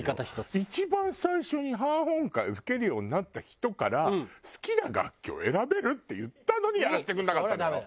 一番最初に半音階吹けるようになった人から好きな楽器を選べるって言ったのにやらせてくれなかったのよ。